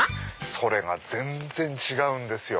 それが全然違うんですよ。